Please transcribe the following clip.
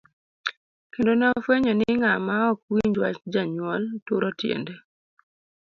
Kendo ne ofwenyo ni ng'ama ok winj wach janyuol, turo tiende .